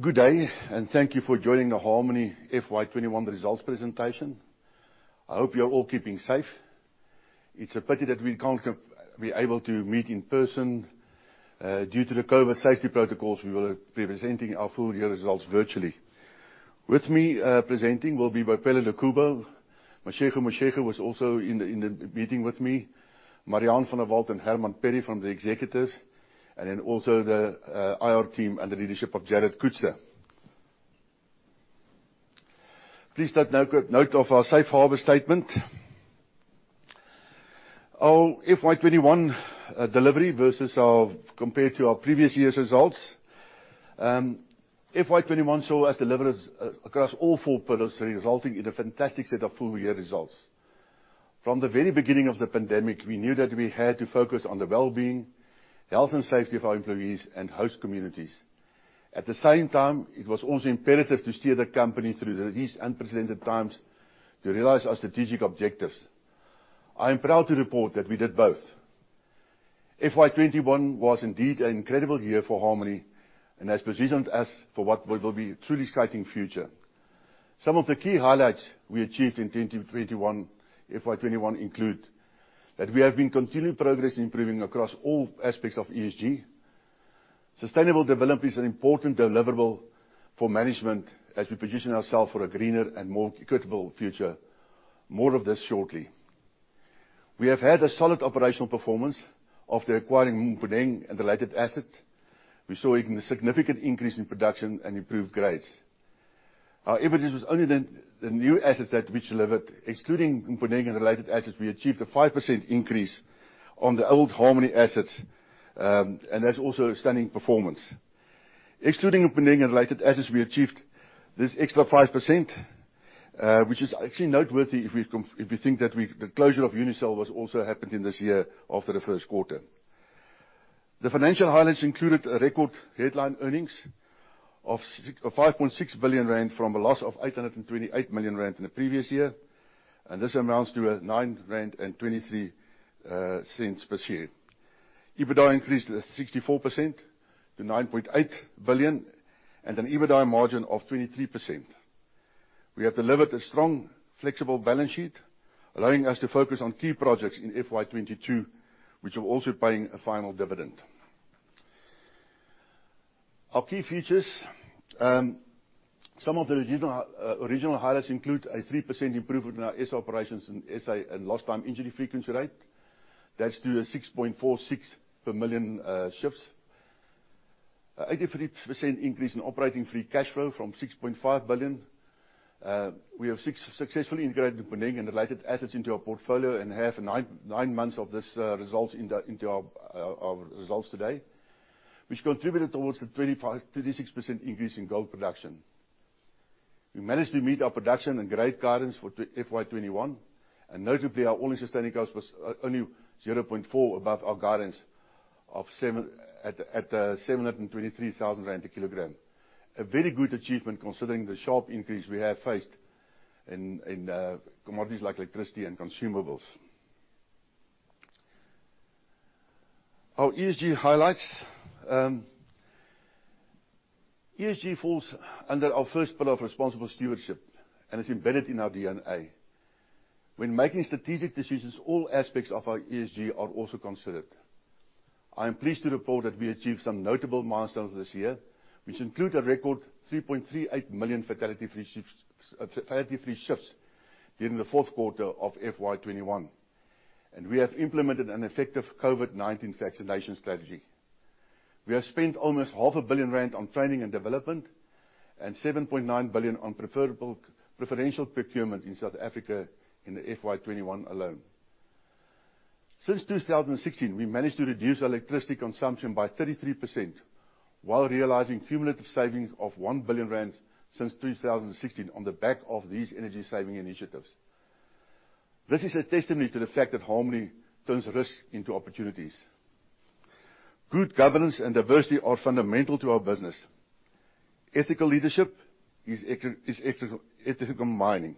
Good day. Thank you for joining the Harmony FY 2021 results presentation. I hope you're all keeping safe. It's a pity that we can't be able to meet in person. Due to the COVID-19 safety protocols, we will be presenting our full year results virtually. With me presenting will be Boipelo Lekubo, Mashego Mashego was also in the meeting with me, Marian van der Walt and Herman Perry from the executives, and then also the IR team under the leadership of Jared Coetzer. Please take note of our safe harbor statement. Our FY 2021 delivery compared to our previous year's results. FY 2021 saw us deliver across all four pillars, resulting in a fantastic set of full year results. From the very beginning of the pandemic, we knew that we had to focus on the well-being, health, and safety of our employees and host communities. At the same time, it was also imperative to steer the company through these unprecedented times to realize our strategic objectives. I am proud to report that we did both. FY 2021 was indeed an incredible year for Harmony and has positioned us for what will be a truly exciting future. Some of the key highlights we achieved in FY 2021 include that we have been continuing progress improving across all aspects of ESG. Sustainable development is an important deliverable for management as we position ourselves for a greener and more equitable future. More of this shortly. We have had a solid operational performance after acquiring Mponeng and related assets. We saw a significant increase in production and improved grades. It was only the new assets that we delivered. Excluding Mponeng and related assets, we achieved a 5% increase on the old Harmony assets, and that's also a stunning performance. Excluding Mponeng and related assets, we achieved this extra 5%, which is actually noteworthy if we think that the closure of Unisel was also happened in this year after the first quarter. The financial highlights included a record headline earnings of 5.6 billion rand from a loss of 828 million rand in the previous year, and this amounts to 9.23 rand per share. EBITDA increased 64% to 9.8 billion and an EBITDA margin of 23%. We have delivered a strong, flexible balance sheet, allowing us to focus on key projects in FY 2022, which are also paying a final dividend. Our key features. Some of the regional highlights include a 3% improvement in our SA operations in SA and lost time injury frequency rate. That's to a 6.46 per million shifts. 83% increase in operating free cash flow from 6.5 billion. We have successfully integrated Mponeng and related assets into our portfolio and have nine months of this results into our results today, which contributed towards the 36% increase in gold production. We managed to meet our production and grade guidance for FY 2021, notably, our all-in sustaining cost was only 0.4 above our guidance at 723,000 rand a kilogram. A very good achievement considering the sharp increase we have faced in commodities like electricity and consumables. Our ESG highlights. ESG falls under our first pillar of responsible stewardship and is embedded in our DNA. When making strategic decisions, all aspects of our ESG are also considered. I am pleased to report that we achieved some notable milestones this year, which include a record 3.38 million fatality-free shifts during the fourth quarter of FY 2021. We have implemented an effective COVID-19 vaccination strategy. We have spent almost half a billion rand on training and development and 7.9 billion on preferential procurement in South Africa in the FY21 alone. Since 2016, we managed to reduce electricity consumption by 33% while realizing cumulative savings of 1 billion rand since 2016 on the back of these energy-saving initiatives. This is a testimony to the fact that Harmony turns risk into opportunities. Good governance and diversity are fundamental to our business. Ethical leadership is ethical mining.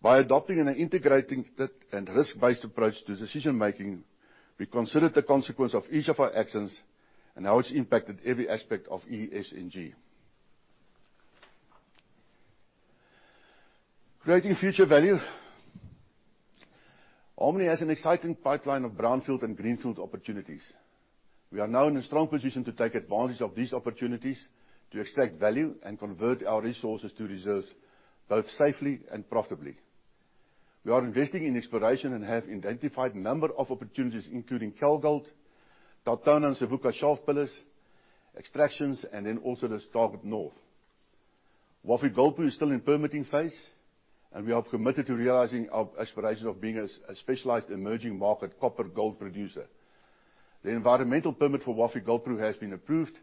By adopting and integrating a risk-based approach to decision making, we considered the consequence of each of our actions and how it's impacted every aspect of ESG. Creating future value. Harmony has an exciting pipeline of brownfield and greenfield opportunities. We are now in a strong position to take advantage of these opportunities to extract value and convert our resources to reserves, both safely and profitably. We are investing in exploration and have identified a number of opportunities including Kalgold, TauTona, and Savuka shaft pillars, extractions, and then also the Starke North. Wafi-Golpu is still in permitting phase, and we are committed to realizing our aspirations of being a specialized emerging market copper-gold producer. The environmental permit for Wafi-Golpu has been approved,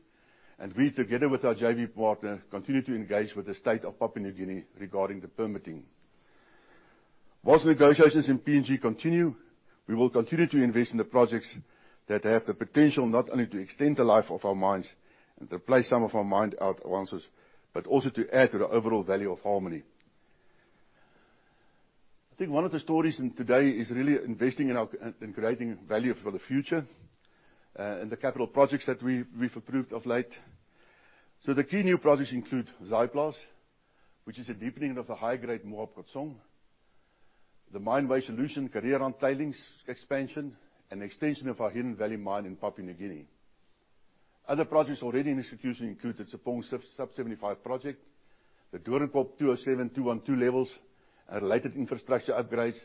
and we, together with our JV partner, continue to engage with the state of Papua New Guinea regarding the permitting. Whilst negotiations in PNG continue, we will continue to invest in the projects that have the potential not only to extend the life of our mines and to place some of our mine out advances, but also to add to the overall value of Harmony. I think one of the stories in today is really investing in creating value for the future, and the capital projects that we've approved of late. The key new projects include Zaaiplaats, which is a deepening of the high-grade Moab Khotsong, the Mine Waste Solutions current tailings expansion, and extension of our Hidden Valley mine in Papua New Guinea. Other projects already in execution included Tshepong Sub-75 project, the Doornkop 207 and 212 levels, and related infrastructure upgrades,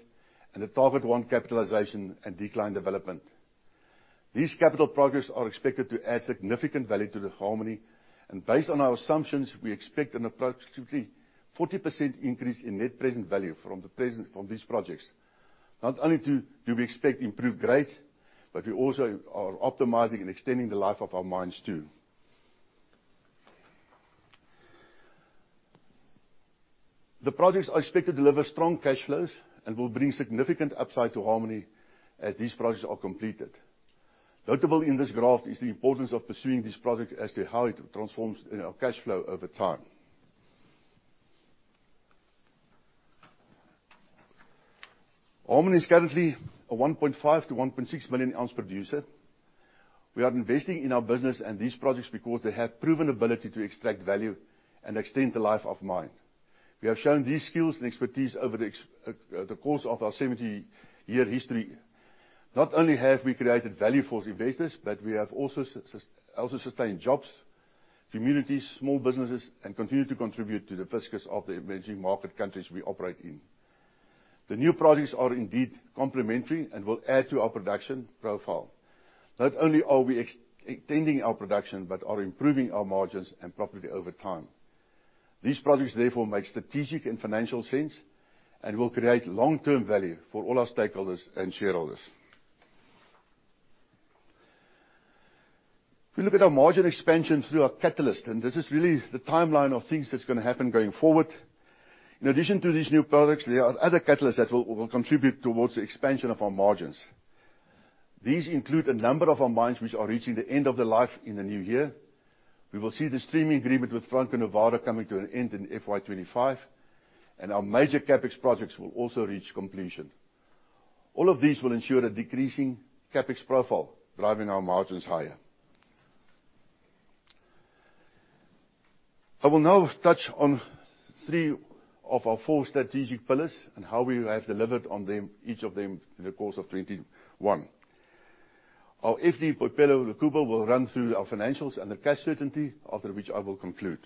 and the Target 1 capitalization and decline development. These capital projects are expected to add significant value to Harmony, and based on our assumptions, we expect an approximately 40% increase in net present value from these projects. Not only do we expect improved grades, but we also are optimizing and extending the life of our mines, too. The projects are expected to deliver strong cash flows and will bring significant upside to Harmony as these projects are completed. Notable in this graph is the importance of pursuing this project as to how it transforms our cash flow over time. Harmony is currently a 1.5 million to 1.6 million ounce producer. We are investing in our business and these projects because they have proven ability to extract value and extend the life of mine. We have shown these skills and expertise over the course of our 70-year history. Not only have we created value for investors, but we have also sustained jobs, communities, small businesses, and continue to contribute to the fiscus of the emerging market countries we operate in. The new projects are indeed complementary and will add to our production profile. Not only are we extending our production, but are improving our margins and profitability over time. These projects, therefore, make strategic and financial sense and will create long-term value for all our stakeholders and shareholders. If we look at our margin expansion through our catalyst, and this is really the timeline of things that's going to happen going forward. In addition to these new products, there are other catalysts that will contribute towards the expansion of our margins. These include a number of our mines which are reaching the end of the life in the new year. We will see the streaming agreement with Franco-Nevada coming to an end in FY 2025, and our major CapEx projects will also reach completion. All of these will ensure a decreasing CapEx profile, driving our margins higher. I will now touch on three of our four strategic pillars and how we have delivered on each of them in the course of 2021. Our FD, Boipelo Lekubo, will run through our financials and the cash certainty, after which I will conclude.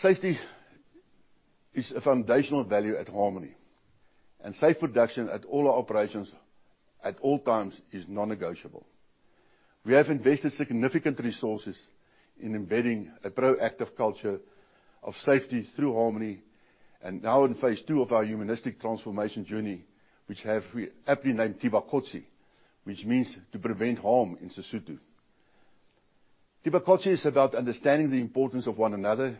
Safety is a foundational value at Harmony, and safe production at all our operations at all times is non-negotiable. We have invested significant resources in embedding a proactive culture of safety through Harmony, and now in phase two of our humanistic transformation journey, which we have aptly named Thibakotsi, which means to prevent harm in Sesotho. Thibakotsi is about understanding the importance of one another,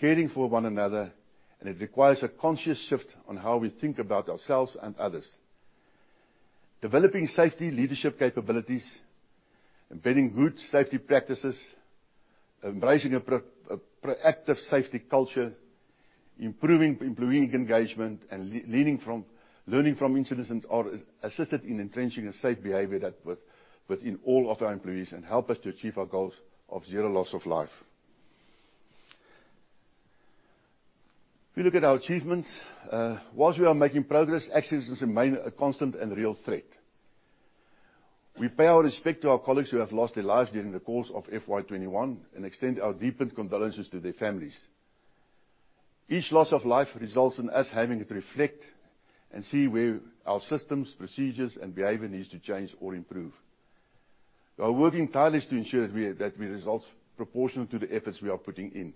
caring for one another, and it requires a conscious shift on how we think about ourselves and others. Developing safety leadership capabilities, embedding good safety practices, embracing a proactive safety culture, improving employee engagement, and learning from incidents are assisted in entrenching a safe behavior within all of our employees and help us to achieve our goals of zero loss of life. If you look at our achievements, whilst we are making progress, accidents remain a constant and real threat. We pay our respect to our colleagues who have lost their lives during the course of FY 2021 and extend our deepened condolences to their families. Each loss of life results in us having to reflect and see where our systems, procedures, and behavior needs to change or improve. We are working tirelessly to ensure that we result proportional to the efforts we are putting in.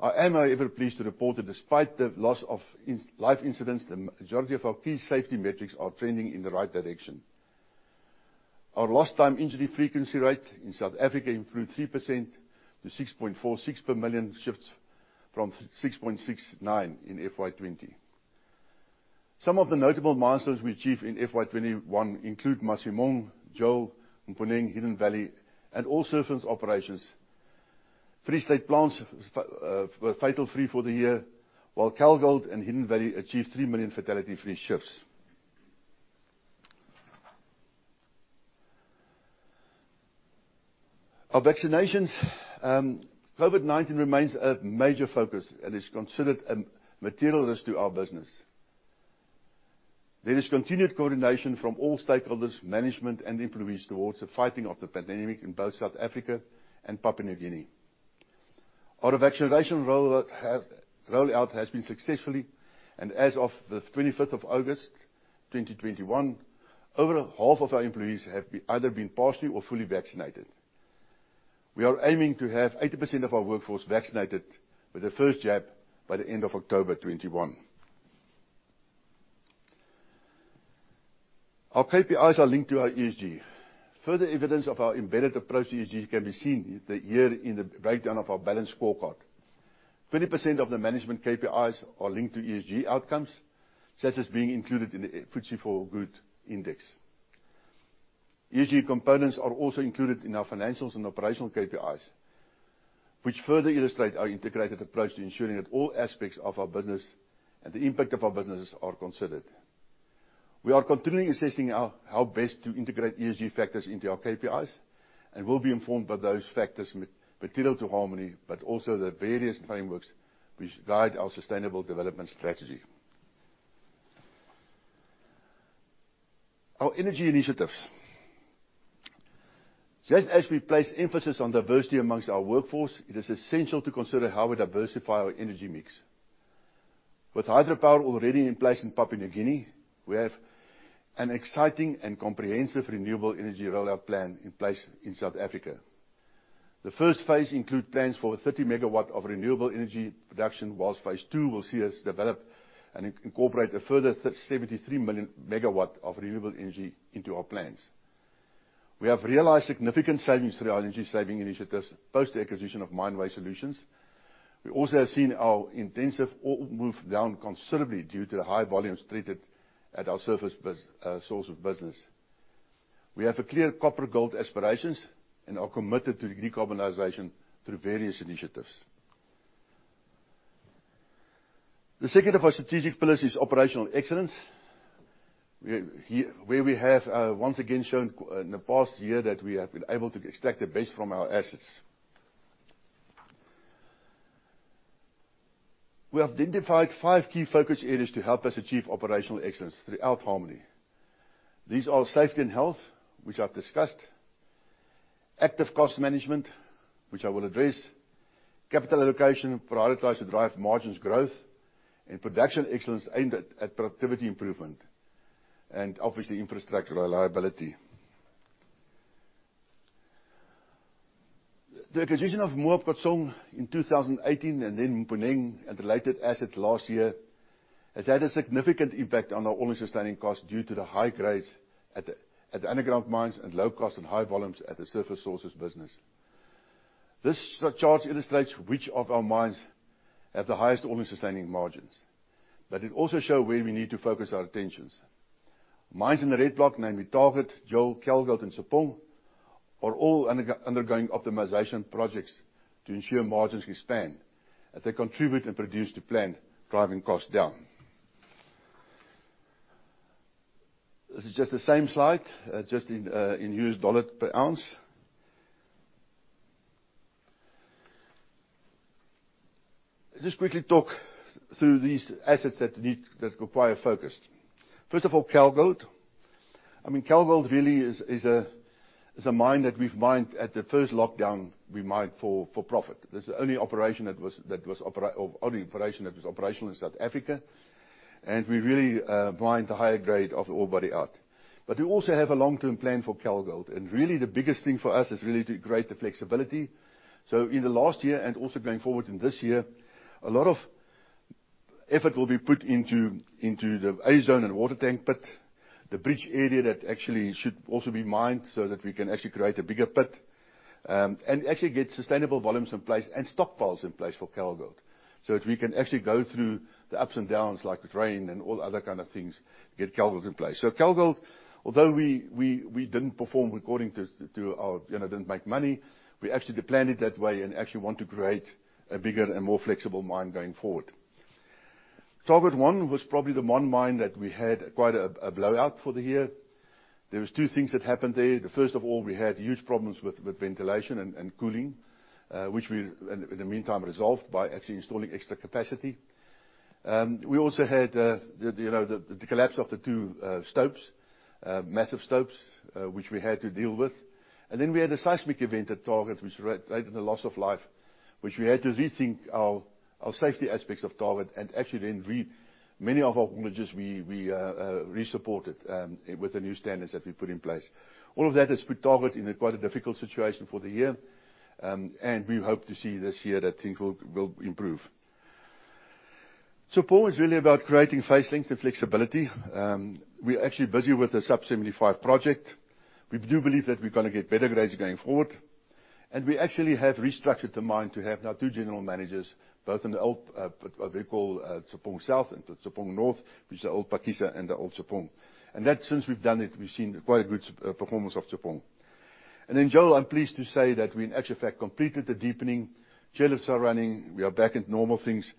I am however pleased to report that despite the loss of life incidents, the majority of our key safety metrics are trending in the right direction. Our lost time injury frequency rate in South Africa improved 3% to 6.46 per million shifts from 6.69 in FY 2020. Some of the notable milestones we achieved in FY 2021 include Masimong, Joel, Mponeng, Hidden Valley, and all surface operations. Free State plants were fatal free for the year, while Kalgold and Hidden Valley achieved 3 million fatality-free shifts. On vaccinations, COVID-19 remains a major focus and is considered a material risk to our business. There is continued coordination from all stakeholders, management, and employees towards the fighting of the pandemic in both South Africa and Papua New Guinea. Our vaccination rollout has been successfully, and as of the 25th of August 2021, over half of our employees have either been partially or fully vaccinated. We are aiming to have 80% of our workforce vaccinated with the first jab by the end of October 2021. Our KPIs are linked to our ESG. Further evidence of our embedded approach to ESG can be seen here in the breakdown of our balanced scorecard. 20% of the management KPIs are linked to ESG outcomes, such as being included in the FTSE4Good index. ESG components are also included in our financials and operational KPIs, which further illustrate our integrated approach to ensuring that all aspects of our business and the impact of our businesses are considered. We are continually assessing how best to integrate ESG factors into our KPIs, and will be informed by those factors material to Harmony, but also the various frameworks which guide our sustainable development strategy. Our energy initiatives. Just as we place emphasis on diversity amongst our workforce, it is essential to consider how we diversify our energy mix. With hydropower already in place in Papua New Guinea, we have an exciting and comprehensive renewable energy rollout plan in place in South Africa. The first phase include plans for 30 MW of renewable energy production, while phase II will see us develop and incorporate a further 73 MW of renewable energy into our plans. We have realized significant savings through our energy saving initiatives post the acquisition of Mine Waste Solutions. We also have seen our intensive ore move down considerably due to the high volumes treated at our surface operations. We have a clear copper-gold aspirations and are committed to decarbonization through various initiatives. The second of our strategic pillars is operational excellence, where we have once again shown in the past year that we have been able to extract the best from our assets. We identified five key focus areas to help us achieve operational excellence throughout Harmony. These are safety and health, which I've discussed. Active cost management, which I will address. Capital allocation prioritized to drive margins growth. Production excellence aimed at productivity improvement, and obviously infrastructure reliability. The acquisition of Moab Khotsong in 2018 and then Mponeng and related assets last year has had a significant impact on our all-in sustaining cost due to the high grades at the underground mines and low cost and high volumes at the surface operations business. This chart illustrates which of our mines have the highest all-in sustaining margins. It also show where we need to focus our attentions. Mines in the red block, namely Target, Joel, Kalgold, and Tshepong, are all undergoing optimization projects to ensure margins expand, that they contribute and produce to plan, driving costs down. This is just the same slide, just in US dollar per ounce. Just quickly talk through these assets that require focus. First of all, Kalgold. Kalgold really is a mine that at the first lockdown, we mined for profit. That's the only operation that was operational in South Africa. We really mined the higher grade of ore body out. We also have a long-term plan for Kalgold, and really the biggest thing for us is really to create the flexibility. In the last year and also going forward in this year, a lot of effort will be put into the A Zone and Watertank pit, the bridge area that actually should also be mined so that we can actually create a bigger pit, and actually get sustainable volumes in place and stockpiles in place for Kalgold. That we can actually go through the ups and downs like rain and all other kind of things, get Kalgold in place. Kalgold, although we didn't make money, we actually planned it that way and actually want to create a bigger and more flexible mine going forward. Target 1 was probably the one mine that we had quite a blowout for the year. There was two things that happened there. The first of all, we had huge problems with ventilation and cooling, which we, in the meantime, resolved by actually installing extra capacity. We also had the collapse of the two massive stopes, which we had to deal with. We had a seismic event at Target, which resulted in a loss of life, which we had to rethink our safety aspects of Target, and actually then we re-supported with the new standards that we put in place. All of that has put Target in a quite a difficult situation for the year. We hope to see this year that things will improve. Tshepong is really about creating face length and flexibility. We're actually busy with the Sub-75 project. We do believe that we're going to get better grades going forward. We actually have restructured the mine to have now two general managers, both in the old, what we call Tshepong South and Tshepong North, which is the old Phakisa and the old Tshepong. Since we've done it, we've seen quite good performance of Tshepong. Then Joel, I'm pleased to say that we in actual fact completed the deepening. Lifts are running. We are back at normal things.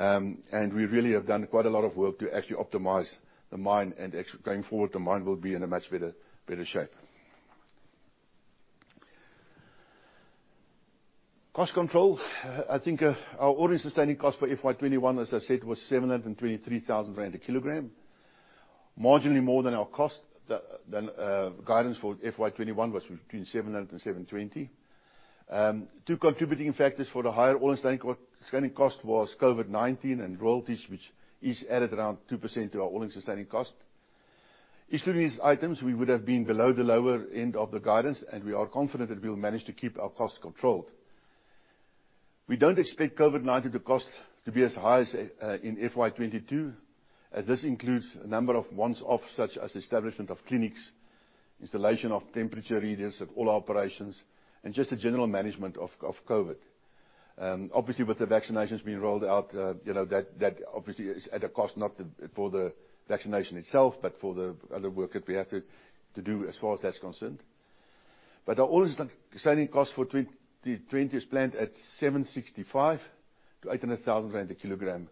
We really have done quite a lot of work to actually optimize the mine and actually going forward, the mine will be in a much better shape. Cost control, I think our all-in sustaining cost for FY 2021, as I said, was 723,000 rand a kilogram. Marginally more than our cost. The guidance for FY 2021 was between 700 and 720. Two contributing factors for the higher all-in sustaining cost was COVID-19 and royalties, which each added around 2% to our all-in sustaining cost. Excluding these items, we would have been below the lower end of the guidance. We are confident that we'll manage to keep our costs controlled. We don't expect COVID-19 cost to be as high as in FY 2022, as this includes a number of once-offs, such as establishment of clinics, installation of temperature readers at all our operations, and just the general management of COVID. With the vaccinations being rolled out, that obviously is at a cost, not for the vaccination itself, but for the other work that we have to do as far as that's concerned. Our all-in sustaining cost for 2020 is planned at 765,000-800,000 rand a kilogram,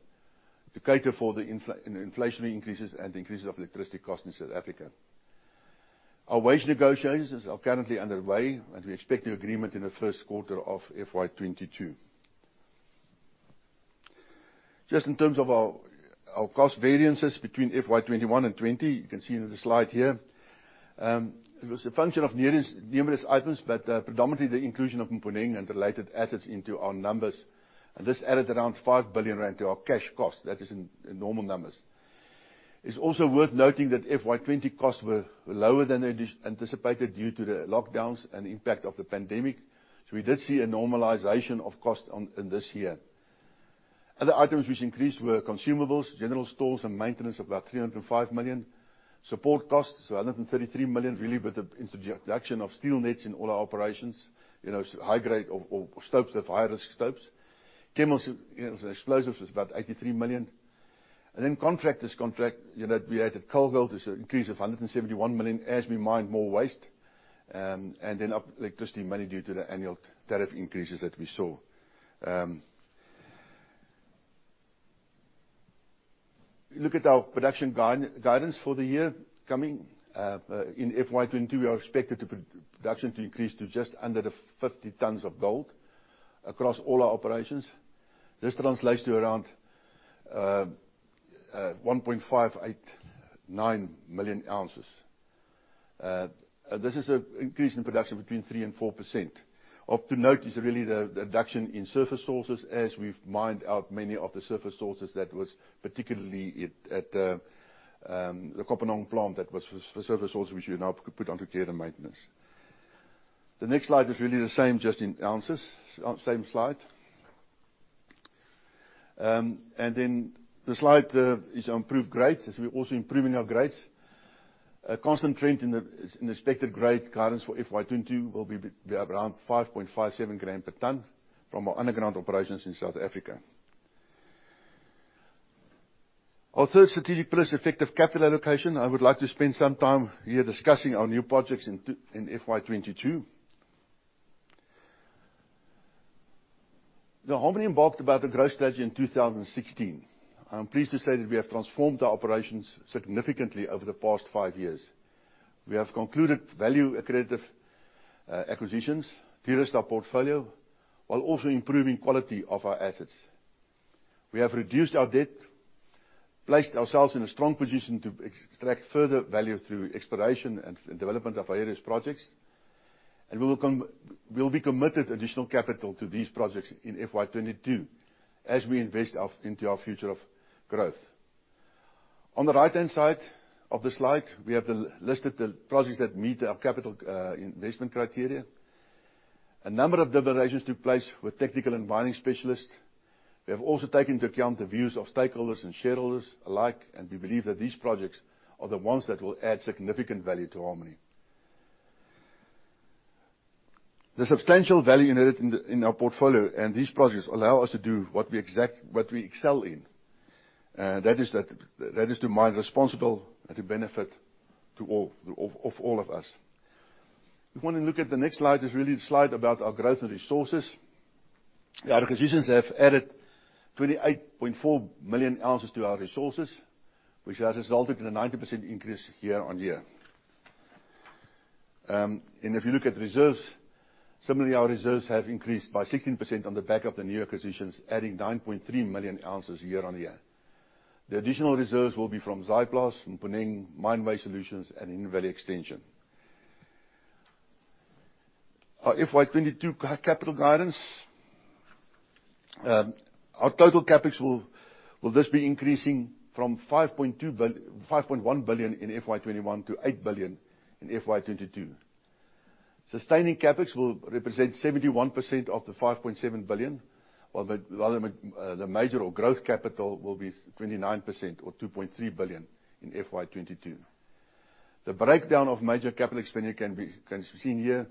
to cater for the inflationary increases and increases of electricity cost in South Africa. Our wage negotiations are currently underway, and we expect the agreement in the first quarter of FY 2022. Just in terms of our cost variances between FY 2021 and FY 2020, you can see in the slide here. It was a function of numerous items, predominantly the inclusion of Mponeng and related assets into our numbers. This added around 5 billion rand to our cash cost. That is in normal numbers. It's also worth noting that FY 2020 costs were lower than anticipated due to the lockdowns and impact of the pandemic, we did see a normalization of cost in this year. Other items which increased were consumables, general stores, and maintenance of about 305 million. Support costs, 133 million, really with the introduction of steel nets in all our operations, stopes of high-risk stopes. Chemicals and explosives was about 83 million. Contractors contract, we added Kalgold, which is an increase of 171 million as we mined more waste, up electricity mainly due to the annual tariff increases that we saw. Look at our production guidance for the year coming. In FY22, we are expected production to increase to just under the 50 tons of gold across all our operations. This translates to around 1.589 million ounces. This is an increase in production between 3% and 4%. Of to note is really the reduction in surface sources as we've mined out many of the surface sources that was particularly at the Kopanang plant that was for surface source, which we now could put onto care and maintenance. The next slide is really the same just in ounces, same slide. The slide is on improved grades, as we're also improving our grades. A constant trend in the expected grade guidance for FY22 will be around 5.57 gram per ton from our underground operations in South Africa. Our third strategic pillar is effective capital allocation. I would like to spend some time here discussing our new projects in FY22. Harmony embarked about the growth strategy in 2016. I'm pleased to say that we have transformed our operations significantly over the past five years. We have concluded value accretive acquisitions, de-risked our portfolio, while also improving quality of our assets. We have reduced our debt, placed ourselves in a strong position to extract further value through exploration and development of various projects. We'll be committed additional capital to these projects in FY 2022 as we invest into our future of growth. On the right-hand side of the slide, we have listed the projects that meet our capital investment criteria. A number of deliberations took place with technical and mining specialists. We have also taken into account the views of stakeholders and shareholders alike, and we believe that these projects are the ones that will add significant value to Harmony. The substantial value inherent in our portfolio and these projects allow us to do what we excel in. That is to mine responsible and to benefit of all of us. We want to look at the next slide, is really the slide about our growth and resources. Our acquisitions have added 28.4 million ounces to our resources, which has resulted in a 90% increase year-on-year. If you look at reserves, similarly, our reserves have increased by 16% on the back of the new acquisitions, adding 9.3 million ounces year-on-year. The additional reserves will be from Zaaiplaats, Mponeng, Mine Waste Solutions, and Hidden Valley extension. Our FY 2022 capital guidance. Our total Capital will thus be increasing from 5.1 billion in FY 2021 to 8 billion in FY 2022. Sustaining CapEx will represent 71% of the 5.7 billion, while the major or growth capital will be 29% or 2.3 billion in FY 2022. The breakdown of major capital expenditure can be seen here,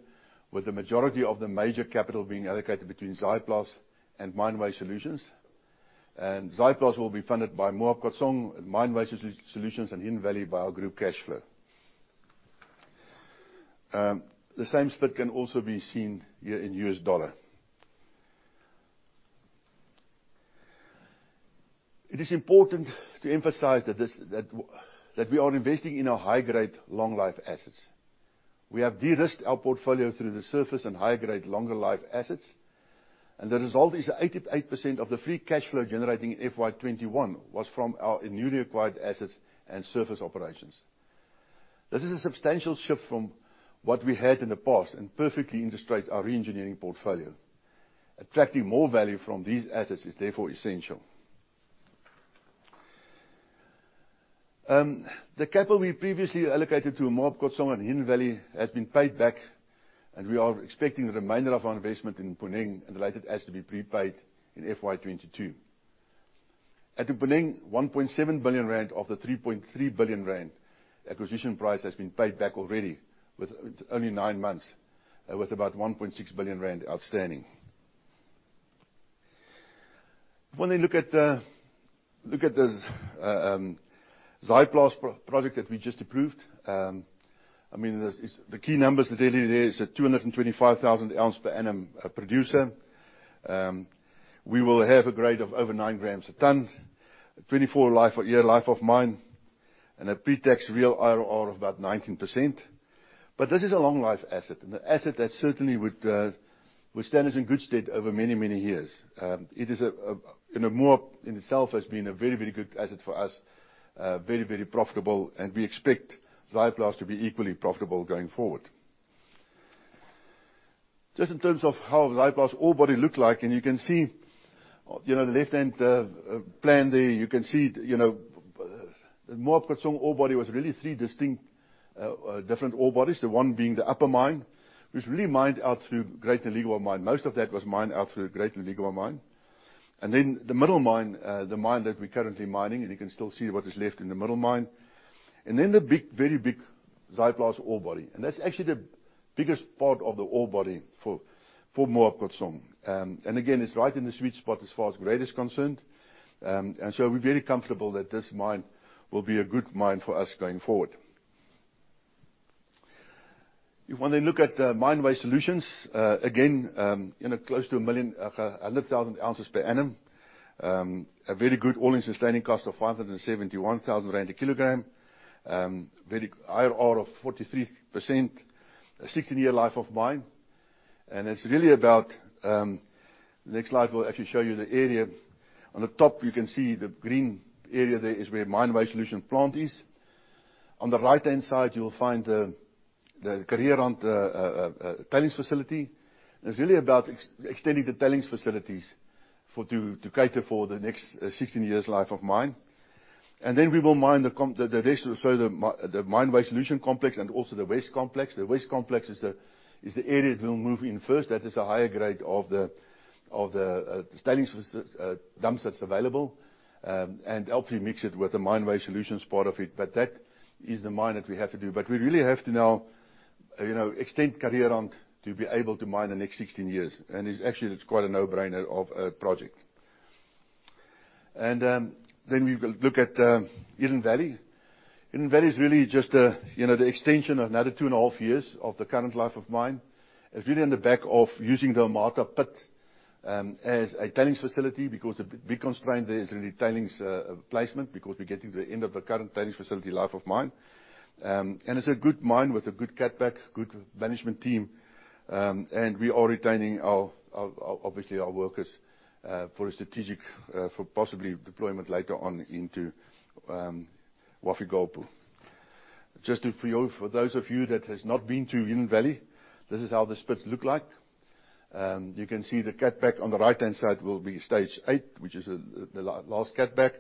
with the majority of the major capital being allocated between Zaaiplaats and Mine Waste Solutions. Zaaiplaats will be funded by Moab Khotsong, Mine Waste Solutions, and Hidden Valley by our group cash flow. The same split can also be seen here in US dollar. It is important to emphasize that we are investing in our high-grade, long-life assets. We have de-risked our portfolio through the surface and high-grade, longer life assets. The result is 88% of the free cash flow generating in FY 2021 was from our newly acquired assets and surface operations. This is a substantial shift from what we had in the past and perfectly illustrates our re-engineering portfolio. Attracting more value from these assets is therefore essential. The capital we previously allocated to Moab Khotsong and Hidden Valley has been paid back, and we are expecting the remainder of our investment in Mponeng and related assets to be prepaid in FY 2022. At Mponeng, 1.7 billion rand of the 3.3 billion rand acquisition price has been paid back already with only nine months, with about 1.6 billion rand outstanding. We look at the Zaaiplaats project that we just approved, the key numbers that are there is a 225,000 ounce per annum producer. We will have a grade of over 9 grams a ton, 24-year life of mine, and a pretax real IRR of about 19%. This is a long-life asset, an asset that certainly would stand us in good stead over many, many years. Moab Khotsong in itself has been a very, very good asset for us, very, very profitable, and we expect Zaaiplaats to be equally profitable going forward. Just in terms of how Zaaiplaats ore body look like, you can see the left-hand plan there, you can see Moab Khotsong ore body was really three distinct different ore bodies. The one being the upper mine, which really mined out through Great Noligwa Mine. Most of that was mined out through Great Noligwa Mine. Then the middle mine, the mine that we're currently mining, and you can still see what is left in the middle mine. Then the very big Zaaiplaats ore body, and that's actually the biggest part of the ore body for Moab Khotsong. Again, it's right in the sweet spot as far as grade is concerned. We're very comfortable that this mine will be a good mine for us going forward. If one then look at the Mine Waste Solutions, again in close to a million ounces per annum. A very good all-in sustaining cost of 571,000 rand a kilogram, very high ore of 43%, 16-year life of mine. The next slide will actually show you the area. On the top, you can see the green area there is where Mine Waste Solutions plant is. On the right-hand side, you'll find the Kareerand tailings facility. It's really about extending the tailings facilities to cater for the next 16 years life of mine. We will mine the Mine Waste Solutions complex and also the waste complex. The waste complex is the area that we'll move in first. That is a higher grade of the tailings dumps that's available, help you mix it with the Mine Waste Solutions part of it. That is the mine that we have to do. We really have to now extend Kareerand to be able to mine the next 16 years. Actually, it's quite a no-brainer of a project. We will look at Hidden Valley. Eden Valley is really just the extension of another two and a half years of the current life of mine. It's really on the back of using the Hamata Pit as a tailings facility, because the big constraint there is really tailings placement, because we're getting to the end of the current tailings facility life of mine. It's a good mine with a good CapEx, good management team, and we are retaining obviously our workers for a strategic, for possibly deployment later on into Wafi-Golpu. For those of you that has not been to Hidden Valley, this is how this pit look like. You can see the CapEx on the right-hand side will be stage 8, which is the last CapEx.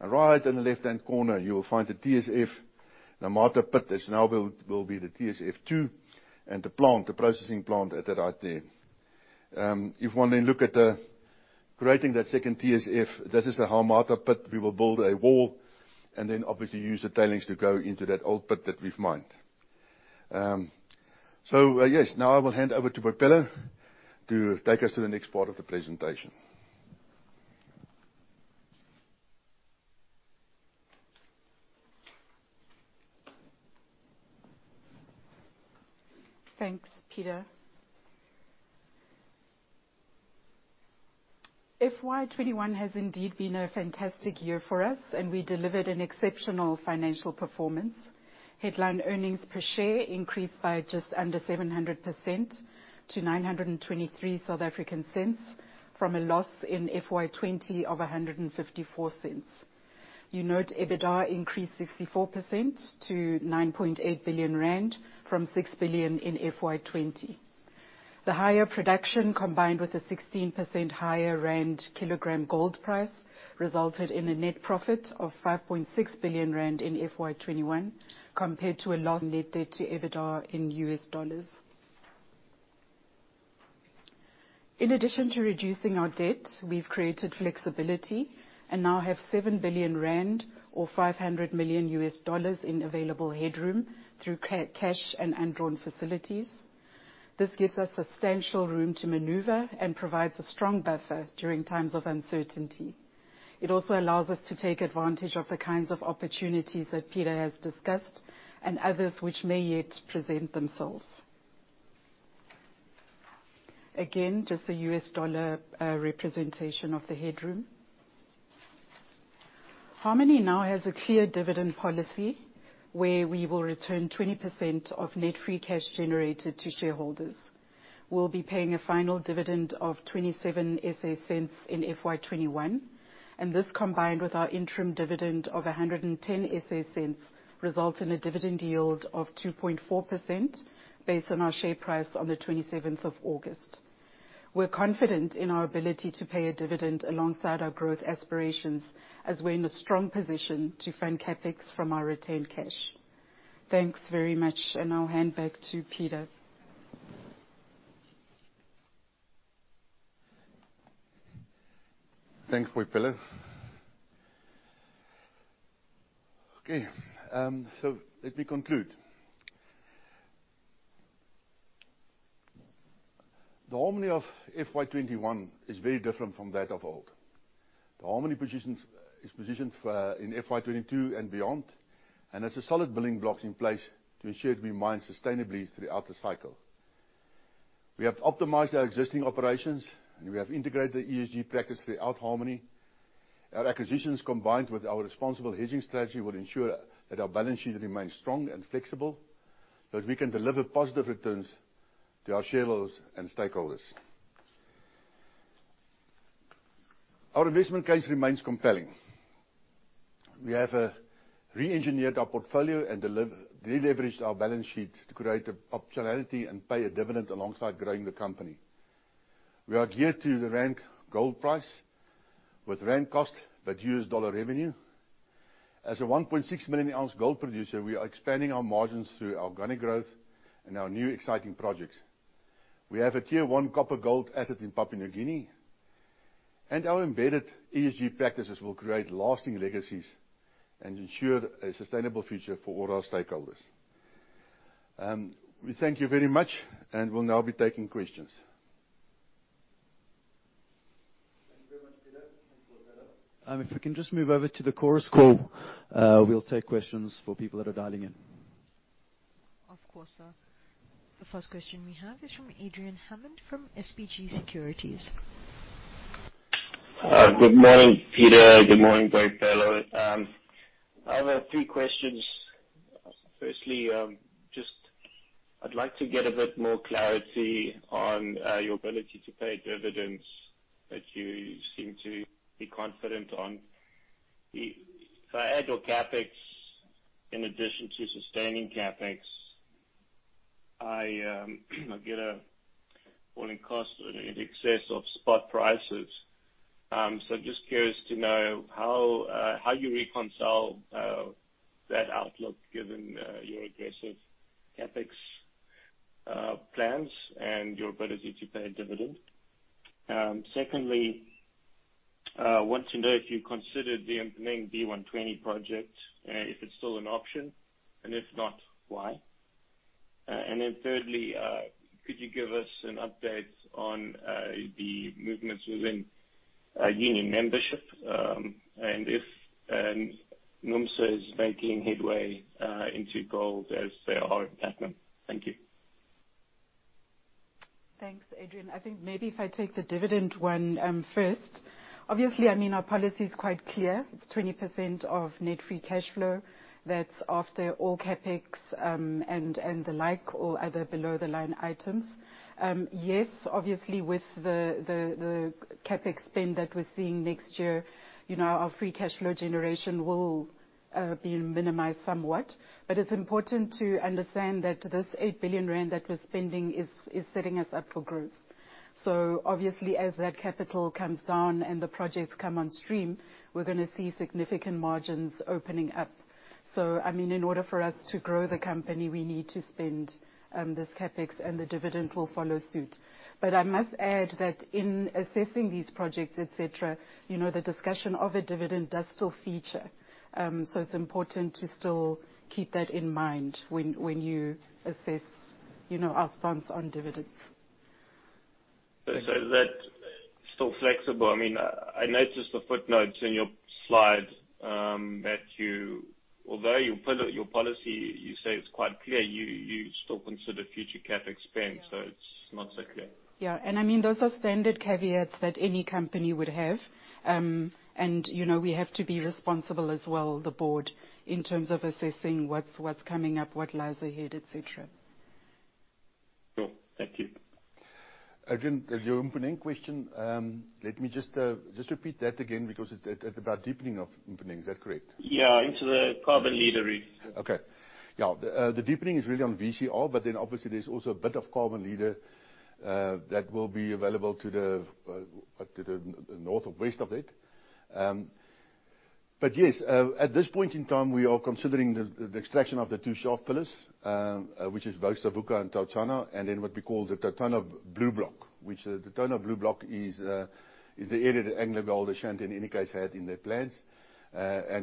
In the left-hand corner, you will find the TSF. The Hamata Pit now will be the TSF 2, and the plant, the processing plant at the right there. If one then look at creating that second TSF, this is the Hamata Pit. We will build a wall and then obviously use the tailings to go into that old pit that we've mined. Yes, now I will hand over to Boipelo Lekubo to take us to the next part of the presentation. Thanks, Peter. FY21 has indeed been a fantastic year for us, we delivered an exceptional financial performance. Headline earnings per share increased by just under 700% to 9.23 from a loss in FY20 of 1.54. You note EBITDA increased 64% to 9.8 billion rand from 6 billion in FY20. The higher production, combined with a 16% higher rand kilogram gold price, resulted in a net profit of 5.6 billion rand in FY21 compared to a loss net debt to EBITDA in US dollars. In addition to reducing our debt, we've created flexibility and now have 7 billion rand or $500 million in available headroom through cash and undrawn facilities. This gives us substantial room to maneuver and provides a strong buffer during times of uncertainty. It also allows us to take advantage of the kinds of opportunities that Peter has discussed and others which may yet present themselves. Again, just a US dollar representation of the headroom. Harmony now has a clear dividend policy where we will return 20% of net free cash generated to shareholders. We'll be paying a final dividend of 0.27 in FY 2021, and this, combined with our interim dividend of 1.10, results in a dividend yield of 2.4% based on our share price on the 27th of August. We're confident in our ability to pay a dividend alongside our growth aspirations as we're in a strong position to fund CapEx from our retained cash. Thanks very much, and I'll hand back to Peter. Thanks, Boipelo. Okay. Let me conclude. The Harmony of FY 2021 is very different from that of old. The Harmony is positioned for in FY 2022 and beyond, and has a solid building block in place to ensure we mine sustainably throughout the cycle. We have optimized our existing operations and we have integrated ESG practice throughout Harmony. Our acquisitions, combined with our responsible hedging strategy, will ensure that our balance sheet remains strong and flexible, so that we can deliver positive returns to our shareholders and stakeholders. Our investment case remains compelling. We have re-engineered our portfolio and deleveraged our balance sheet to create optionality and pay a dividend alongside growing the company. We are geared to the rand gold price with rand cost but US dollar revenue. As a 1.6 million ounce gold producer, we are expanding our margins through organic growth and our new exciting projects. We have a tier one copper-gold asset in Papua New Guinea. Our embedded ESG practices will create lasting legacies and ensure a sustainable future for all our stakeholders. We thank you very much. We'll now be taking questions. Thank you very much, Peter. Thanks, Boipelo. If we can just move over to the chorus call, we'll take questions for people that are dialing in. Of course, sir. The first question we have is from Adrian Hammond from SBG Securities. Good morning, Peter. Good morning, Boipelo. I have three questions. Firstly, just I'd like to get a bit more clarity on your ability to pay dividends that you seem to be confident on. If I add your CapEx in addition to sustaining CapEx, I get an all-in cost in excess of spot prices. Just curious to know how you reconcile that outlook given your aggressive OpEx plans and your ability to pay a dividend. Secondly, want to know if you considered the Mponeng B120 project, if it's still an option, and if not, why. Thirdly, could you give us an update on the movements within union membership, and if NUMSA is making headway into gold as they are in platinum. Thank you. Thanks, Adrian. I think maybe if I take the dividend one first. Obviously, our policy's quite clear. It's 20% of net free cash flow. That's after all CapEx and the like, all other below-the-line items. Yes, obviously, with the CapEx spend that we're seeing next year, our free cash flow generation will be minimized somewhat. It's important to understand that this 8 billion rand that we're spending is setting us up for growth. Obviously, as that capital comes down and the projects come on stream, we're going to see significant margins opening up. In order for us to grow the company, we need to spend this CapEx, and the dividend will follow suit. I must add that in assessing these projects, et cetera, the discussion of a dividend does still feature. It's important to still keep that in mind when you assess our stance on dividends. That's still flexible. I noticed the footnotes in your slides that although your policy, you say, it's quite clear, you still consider future CapEx spend. Yeah. It's not so clear. Yeah. Those are standard caveats that any company would have. We have to be responsible as well, the board, in terms of assessing what's coming up, what lies ahead, et cetera. Cool. Thank you. Adrian, your Mponeng question, let me just repeat that again, because it's about deepening of Mponeng. Is that correct? Yeah, into the Carbon Leader reef. Okay. Yeah. The deepening is really on VCR, but then obviously there's also a bit of Carbon Leader that will be available to the north or west of it. At this point in time, we are considering the extraction of the two shaft pillars, which is both Savuka and TauTona, and then what we call the TauTona Blue block. The TauTona Blue block is the area that AngloGold Ashanti, in any case, had in their plans.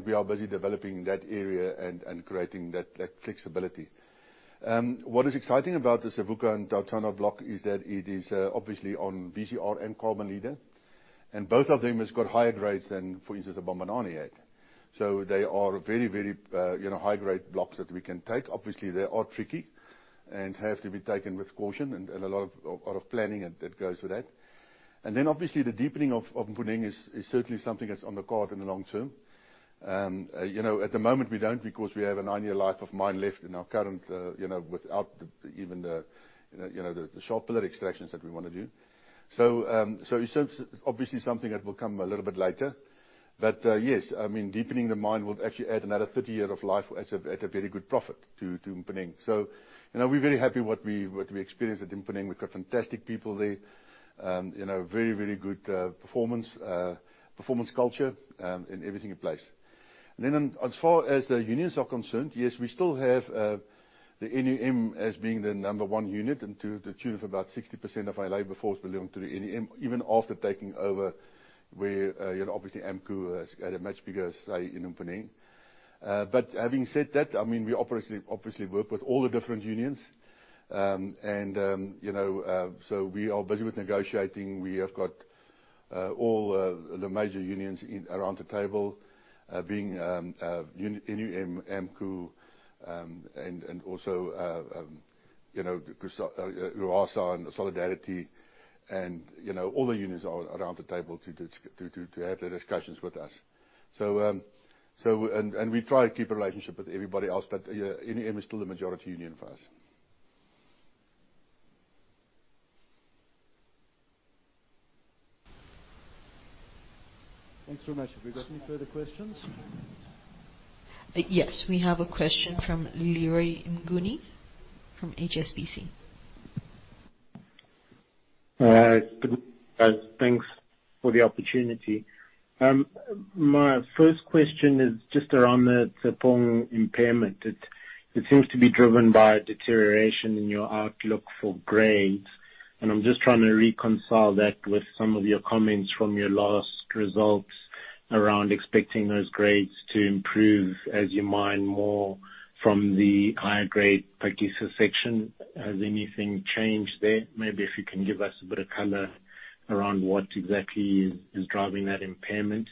We are busy developing that area and creating that flexibility. What is exciting about the Savuka and TauTona block is that it is obviously on VCR and Carbon Leader, and both of them has got higher grades than, for instance, Bambanani had. They are very high-grade blocks that we can take. Obviously, they are tricky and have to be taken with caution, and a lot of planning that goes with that. Obviously the deepening of Mponeng is certainly something that's on the card in the long term. At the moment, we don't because we have a nine-year life of mine left in our current, without even the shaft pillar extractions that we want to do. It's obviously something that will come a little bit later. Yes, deepening the mine will actually add another 30 year of life at a very good profit to Mponeng. We're very happy what we experienced at Mponeng. We've got fantastic people there. Very good performance culture, and everything in place. As far as the unions are concerned, yes, we still have the NUM as being the number one unit to the tune of about 60% of our labor force belonging to the NUM, even after taking over where obviously AMCU has had a much bigger say in Mponeng. Having said that, we obviously work with all the different unions. We are busy with negotiating. We have got all the major unions around the table, being NUM, AMCU, and also UASA and Solidarity, all the unions are around the table to have their discussions with us. We try to keep a relationship with everybody else, but NUM is still the majority union for us. Thanks so much. Have we got any further questions? Yes. We have a question from Leroy Mnguni from HSBC. Hi. Thanks for the opportunity. My first question is just around the Tshepong impairment. It seems to be driven by a deterioration in your outlook for grades. I'm just trying to reconcile that with some of your comments from your last results around expecting those grades to improve as you mine more from the higher grade Phakisa section. Has anything changed there? Maybe if you can give us a bit of color around what exactly is driving that impairment.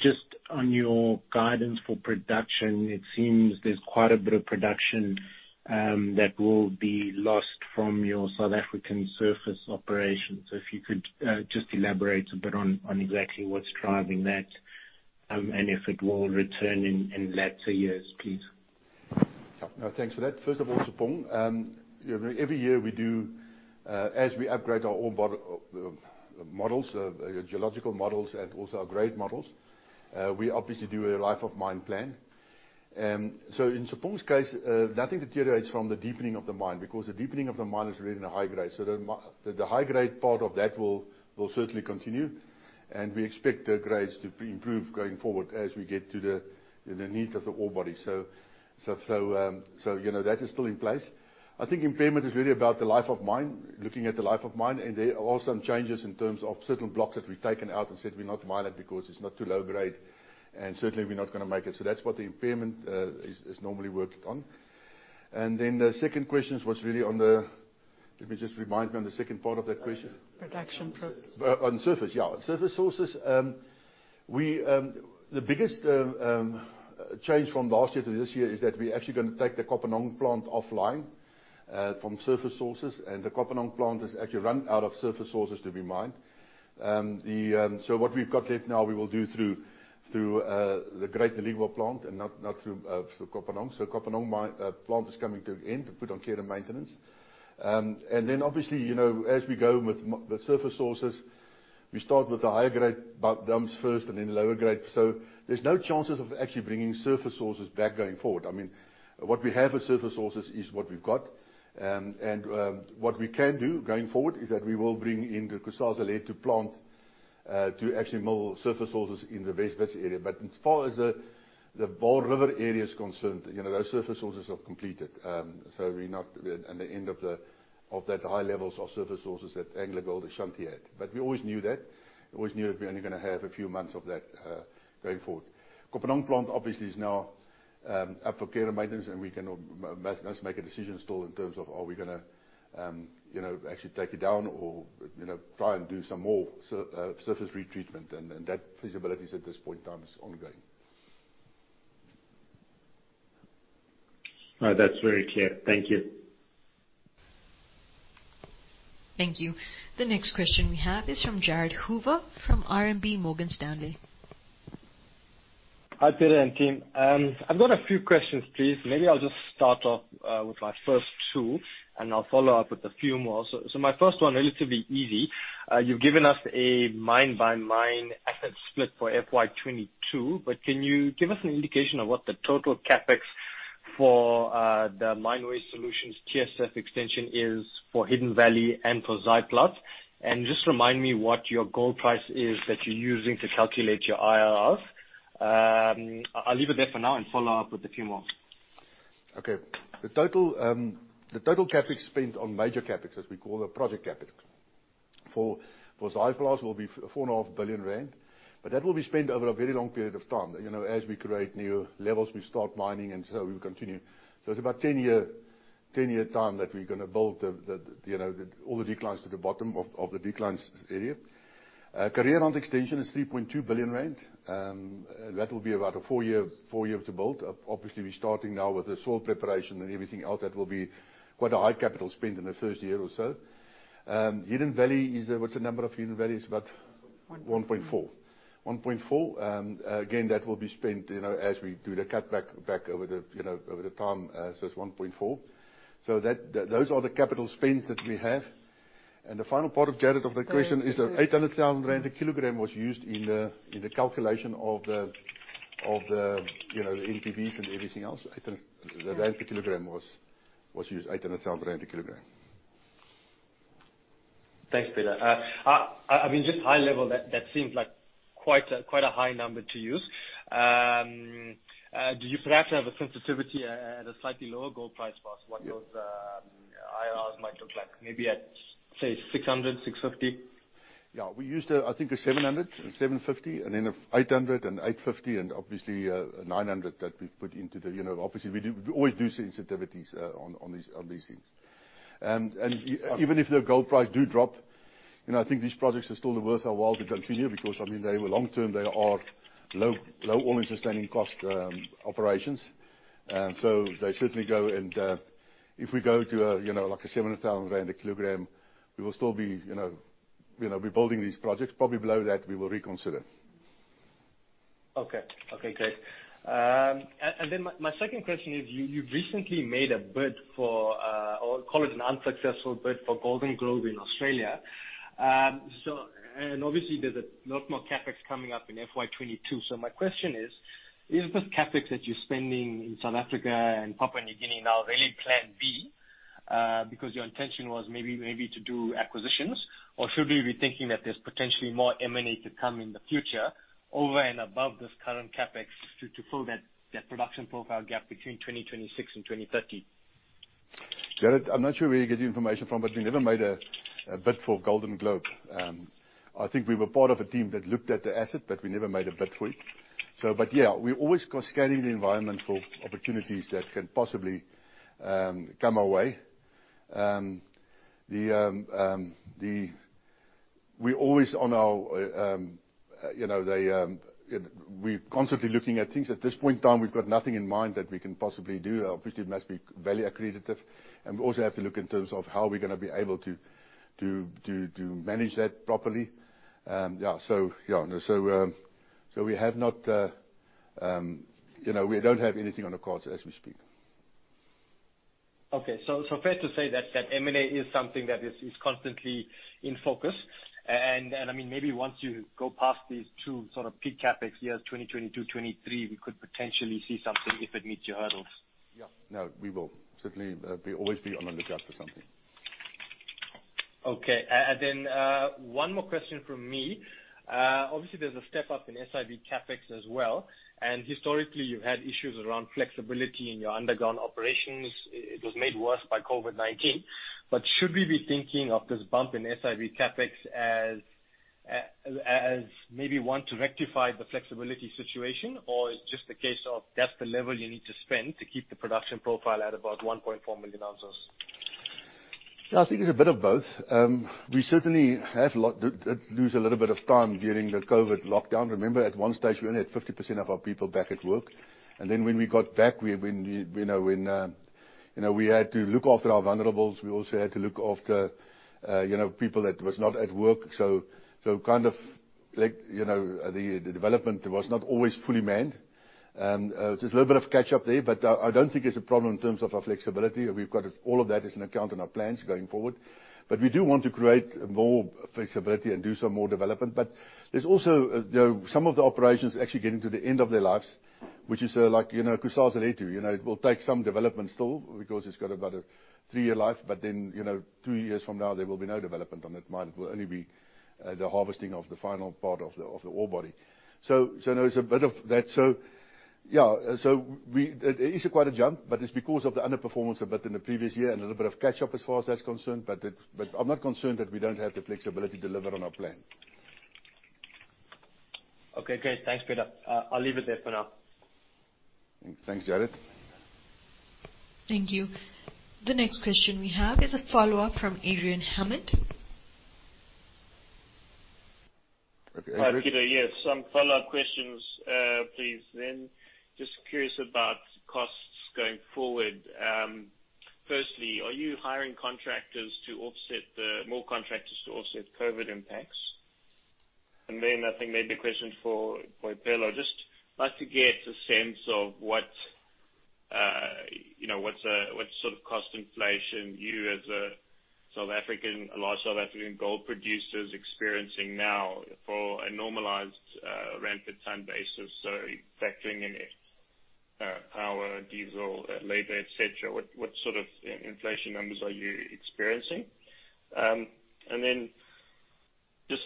Just on your guidance for production, it seems there's quite a bit of production that will be lost from your South African surface operations. If you could just elaborate a bit on exactly what's driving that and if it will return in latter years, please. Yeah. Thanks for that. First of all, Tshepong. Every year we do, as we upgrade our old models, geological models, and also our grade models, we obviously do a life of mine plan. In Tshepong's case, nothing deteriorates from the deepening of the mine, because the deepening of the mine is really in the high grade. The high grade part of that will certainly continue, and we expect the grades to improve going forward as we get to the meat of the ore body. That is still in place. I think impairment is really about the life of mine, looking at the life of mine, and there are some changes in terms of certain blocks that we've taken out and said we're not mining because it's not to low grade, and certainly we're not going to make it. That's what the impairment is normally worked on. The second question was really let me just remind me on the second part of that question. Production. On surface. On surface sources, the biggest change from last year to this year is that we're actually going to take the Kopanang plant offline from surface sources. The Kopanang plant has actually run out of surface sources to be mined. What we've got left now, we will do through the Great Noligwa plant and not through Kopanang. Kopanang plant is coming to an end, to put on care and maintenance. Obviously, as we go with surface sources, we start with the higher grade dumps first and then lower grade. There's no chances of actually bringing surface sources back going forward. What we have as surface sources is what we've got. What we can do going forward is that we will bring in the Kusasalethu lead to plant to actually mill surface sources in the West Wits area. As far as the Vaal River area is concerned, those surface sources have completed. We're at the end of that high levels of surface sources that AngloGold Ashanti had. We always knew that. We always knew that we were only going to have a few months of that going forward. Kopanang plant obviously is now up for care and maintenance, we can just make a decision still in terms of are we going to actually take it down or try and do some more surface retreatment. That feasibility at this point in time is ongoing. No, that's very clear. Thank you. Thank you. The next question we have is from Jared Hoover from RMB Morgan Stanley. Hi, Peter and team. I've got a few questions, please. Maybe I'll just start off with my first two, and I'll follow up with a few more. My first one, relatively easy. You've given us a mine-by-mine asset split for FY 2022, but can you give us an indication of what the total CapEx for the Mine Waste Solutions TSF extension is for Hidden Valley and for Zaaiplaats? Just remind me what your gold price is that you're using to calculate your IRRs. I'll leave it there for now and follow up with a few more. The total CapEx spent on major CapEx, as we call the project CapEx, for Zaaiplaats will be 4.5 billion rand. That will be spent over a very long period of time. As we create new levels, we start mining, and so we'll continue. It's about 10-year time that we're going to build all the declines to the bottom of the declines area. Kareerand extension is 3.2 billion rand. That will be about four years to build. We're starting now with the soil preparation and everything else. That will be quite a high capital spend in the first year or so. Hidden Valley is, what's the number of Hidden Valley? It's about 1.4 billion. Again, that will be spent as we do the cutback over the time. It's 1.4 billion. Those are the capital spends that we have. The final part of Jared of that question is that 800,000 rand a kilogram was used in the calculation of the NPVs and everything else. The rand per kilogram was used, 800,000 rand per kilogram. Thanks, Peter. Just high level, that seems like quite a high number to use. Do you perhaps have a sensitivity at a slightly lower gold price for us, what those IRR might look like, maybe at, say, 600, 650? We used, I think, a 700 and 750, and then a 800 and 850, and obviously a 900 that we've put into the. Obviously, we always do sensitivities on these things. Even if the gold price do drop, I think these projects are still worth our while to continue because, I mean, they were long-term, they are low all-in sustaining cost operations. They certainly go. If we go to like a 7,000 rand a kilogram, we will still be building these projects. Probably below that, we will reconsider. Okay, great. My second question is, you recently made a bid for, or call it an unsuccessful bid for Golden Grove in Australia. Obviously there's a lot more CapEx coming up in FY 2022. My question is this CapEx that you're spending in South Africa and Papua New Guinea now really plan B, because your intention was maybe to do acquisitions? Should we be thinking that there's potentially more M&A to come in the future over and above this current CapEx to fill that production profile gap between 2026 and 2030? Jared, I'm not sure where you get your information from, but we never made a bid for Golden Grove. I think we were part of a team that looked at the asset, but we never made a bid for it. Yeah, we always go scanning the environment for opportunities that can possibly come our way. We're constantly looking at things. At this point in time, we've got nothing in mind that we can possibly do. Obviously, it must be value accretive. We also have to look in terms of how we're going to be able to manage that properly. We don't have anything on the cards as we speak. Okay. Fair to say that that M&A is something that is constantly in focus. Maybe once you go past these two sort of peak CapEx years, 2022, 2023, we could potentially see something if it meets your hurdles. Yeah. No, we will certainly always be on the lookout for something. Okay. One more question from me. Obviously, there's a step up in SIB CapEx as well. Historically, you've had issues around flexibility in your underground operations. It was made worse by COVID-19. Should we be thinking of this bump in SIB CapEx as maybe one to rectify the flexibility situation? It's just a case of that's the level you need to spend to keep the production profile at about 1.4 million ounces? I think it's a bit of both. We certainly did lose a little bit of time during the COVID lockdown. Remember, at one stage, we only had 50% of our people back at work. When we got back, we had to look after our vulnerables. We also had to look after people that was not at work. Kind of like the development was not always fully manned. There's a little bit of catch-up there. I don't think it's a problem in terms of our flexibility. We've got all of that is an account in our plans going forward. We do want to create more flexibility and do some more development. There's also some of the operations actually getting to the end of their lives, which is like Kusasalethu. It will take some development still because it's got about a three-year life, but then two years from now, there will be no development on that mine. It will only be the harvesting of the final part of the ore body. There's a bit of that. It is quite a jump, but it's because of the underperformance a bit in the previous year and a little bit of catch-up as far as that's concerned. I'm not concerned that we don't have the flexibility to deliver on our plan. Okay, great. Thanks, Peter. I'll leave it there for now. Thanks, Jared. Thank you. The next question we have is a follow-up from Adrian Hammond. Okay, Adrian. Hi, Peter. Yes, some follow-up questions, please. Just curious about cost going forward, Firstly, are you hiring contractors. I think maybe a question for Boipelo Lekubo. I'd just like to get a sense of what sort of cost inflation you as a large South African gold producer is experiencing now for a normalized ramped ton basis. Factoring in power, diesel, labor, et cetera, what sort of inflation numbers are you experiencing? Just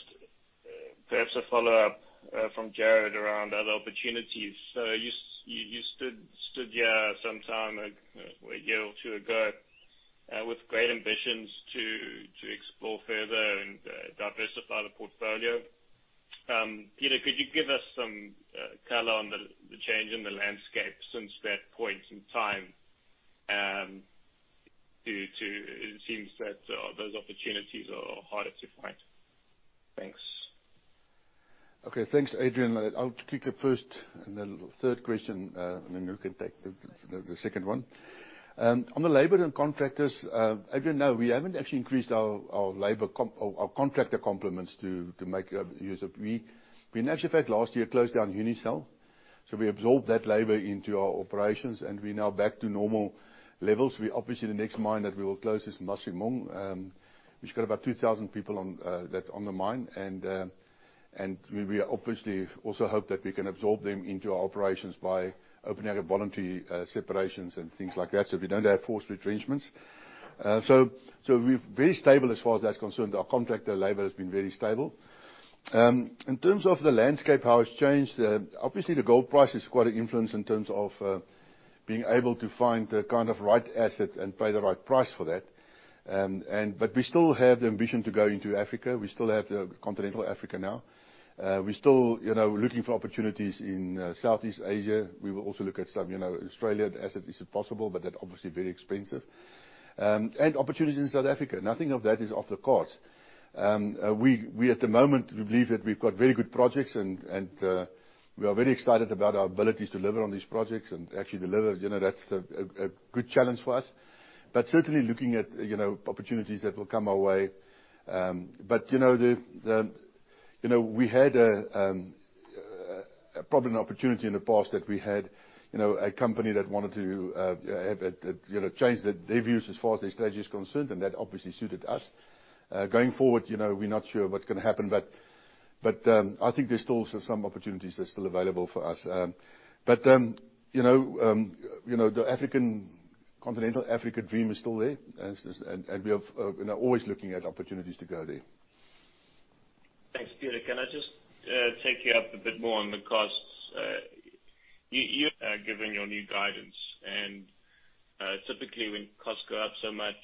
perhaps a follow-up from Jared around other opportunities. You stood here some time, a year or two ago, with great ambitions to explore further and diversify the portfolio. Peter, could you give us some color on the change in the landscape since that point in time? It seems that those opportunities are harder to find. Thanks. Okay. Thanks, Adrian. I'll take the first and then third question, and then you can take the second one. On the labor and contractors, Adrian, no, we haven't actually increased our contractor complements to make use of. We, in actual fact, last year closed down Unisel. We absorbed that labor into our operations, and we're now back to normal levels. Obviously, the next mine that we will close is Masimong, which got about 2,000 people that's on the mine. We obviously also hope that we can absorb them into our operations by opening up voluntary separations and things like that, so we don't have forced retrenchments. We're very stable as far as that's concerned. Our contractor labor has been very stable. In terms of the landscape, how it's changed, obviously the gold price is quite an influence in terms of being able to find the right asset and pay the right price for that. We still have the ambition to go into Africa. We still have continental Africa now. We're still looking for opportunities in Southeast Asia. We will also look at some Australian assets, if possible, but they're obviously very expensive. Opportunities in South Africa. Nothing of that is off the cards. We, at the moment, believe that we've got very good projects and we are very excited about our ability to deliver on these projects. Actually deliver, that's a good challenge for us. Certainly looking at opportunities that will come our way. We had probably an opportunity in the past that we had a company that wanted to change their views as far as their strategy is concerned, and that obviously suited us. Going forward, we're not sure what's going to happen. I think there's still some opportunities that are still available for us. The continental Africa dream is still there, and we are always looking at opportunities to go there. Thanks, Peter. Can I just take you up a bit more on the costs? You've given your new guidance and typically, when costs go up so much,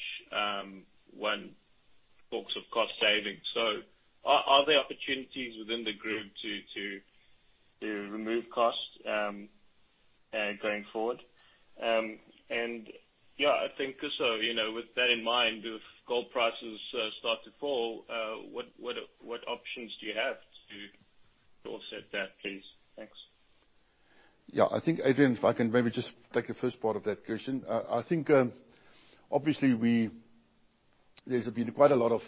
one talks of cost saving. Are there opportunities within the group to remove costs going forward? I think also, with that in mind, if gold prices start to fall, what options do you have to offset that, please? Thanks. I think, Adrian, if I can maybe just take the first part of that question. I think obviously there's been quite a lot of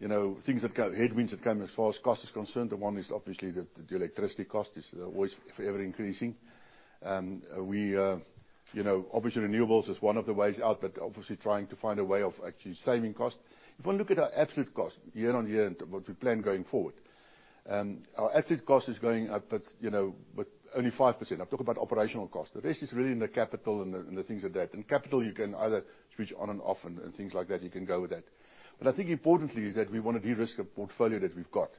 headwinds that come as far as cost is concerned. The 1 is obviously the electricity cost is always forever increasing. Obviously, renewables is 1 of the ways out, but obviously trying to find a way of actually saving cost. If you look at our absolute cost year-on-year and what we plan going forward, our absolute cost is going up, but only 5%. I'm talking about operational cost. The rest is really in the capital and the things like that. In capital, you can either switch on and off and things like that. You can go with that. I think importantly is that we want to de-risk the portfolio that we've got.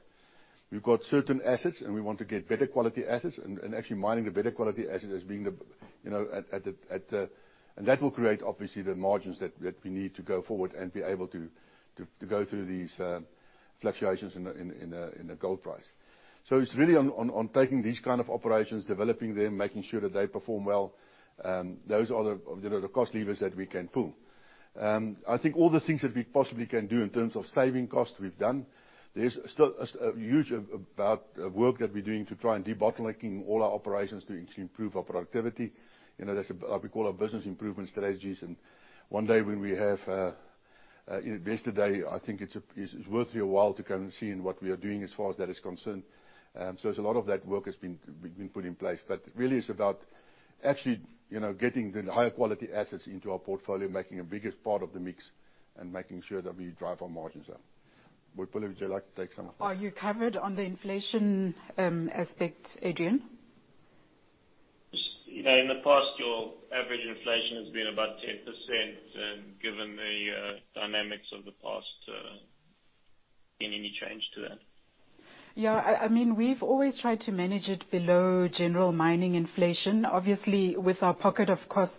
We've got certain assets, we want to get better quality assets, and actually mining the better quality assets, and that will create, obviously, the margins that we need to go forward and be able to go through these fluctuations in the gold price. It's really on taking these kind of operations, developing them, making sure that they perform well. Those are the cost levers that we can pull. I think all the things that we possibly can do in terms of saving cost, we've done. There's still a huge about work that we're doing to try and debottlenecking all our operations to improve our productivity. That's what we call our business improvement strategies. One day yesterday, I think it's worthy a while to come and see in what we are doing as far as that is concerned. There's a lot of that work that's been put in place. Really it's about actually getting the higher quality assets into our portfolio, making a bigger part of the mix, and making sure that we drive our margins up. Boipelo Lekubo, would you like to take some of that? Are you covered on the inflation aspect, Adrian? In the past your average inflation has been about 10%. Given the dynamics of the past, been any change to that? Yeah. We've always tried to manage it below general mining inflation. Obviously, with our pocket of costs,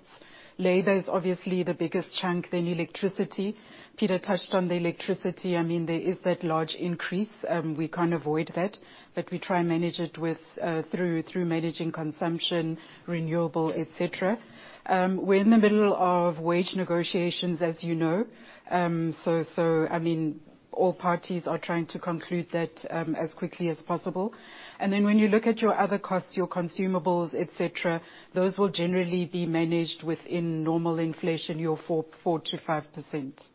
labor is obviously the biggest chunk, then electricity. Peter touched on the electricity. There is that large increase. We can't avoid that, but we try and manage it through managing consumption, renewable, et cetera. We're in the middle of wage negotiations, as you know. All parties are trying to conclude that as quickly as possible. When you look at your other costs, your consumables, et cetera, those will generally be managed within normal inflation, your 4%-5%. Thanks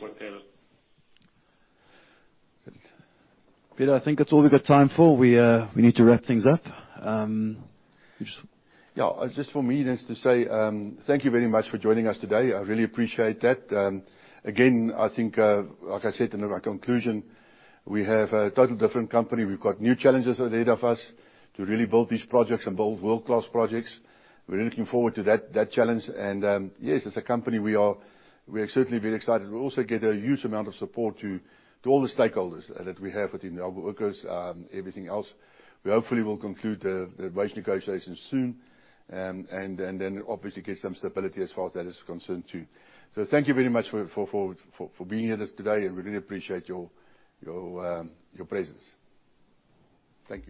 for that. Peter, I think that's all we've got time for. We need to wrap things up. Yeah. Just from me, just to say thank you very much for joining us today. I really appreciate that. Again, I think, like I said in my conclusion, we have a total different company. We've got new challenges ahead of us to really build these projects and build world-class projects. We're looking forward to that challenge. Yes, as a company, we are certainly very excited. We also get a huge amount of support to all the stakeholders that we have within our workers, everything else. We hopefully will conclude the wage negotiations soon. Then obviously get some stability as far as that is concerned, too. Thank you very much for being with us today, and we really appreciate your presence. Thank you.